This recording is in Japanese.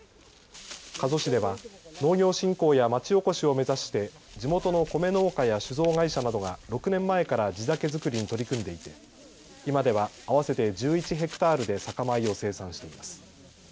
加須市では農業振興やまちおこしを目指して地元の米農家や酒造会社などが６年前から地酒づくりに取り組んでいて今では合わせて１１ｈａで酒米を生産しています。